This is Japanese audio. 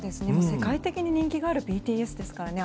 世界的に人気のあるＢＴＳですからね。